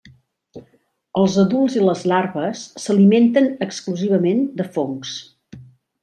Els adults i les larves s'alimenten exclusivament de fongs.